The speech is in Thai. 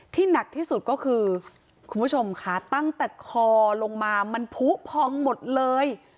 หนักที่สุดก็คือคุณผู้ชมค่ะตั้งแต่คอลงมามันผู้พองหมดเลย